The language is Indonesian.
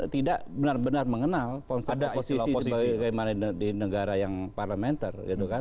tidak benar benar mengenal konsep posisi seperti mana di negara yang parlementer